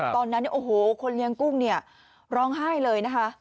ตอนนั้นโอ้โหคนเลี้ยงกุ้งเนี่ยร้องไห้เลยนะคะ